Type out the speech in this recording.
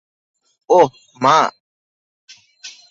ওহ, মা।